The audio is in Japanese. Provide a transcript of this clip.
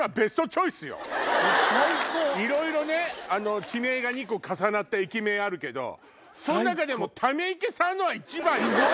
いろいろね地名が２個重なった駅名あるけどその中でも溜池山王は一番よ。